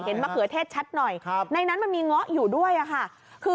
มะเขือเทศชัดหน่อยในนั้นมันมีเงาะอยู่ด้วยค่ะคือ